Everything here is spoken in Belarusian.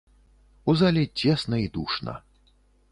У зале цесна і душна.